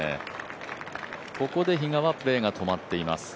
ここで比嘉はプレーが止まっています。